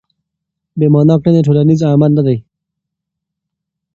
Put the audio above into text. بې مانا کړنې ټولنیز عمل نه دی.